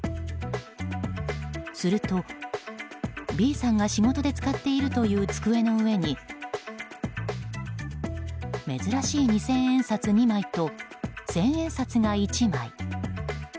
すると、Ｂさんが仕事で使っているという机の上に珍しい二千円札２枚と千円札が１枚。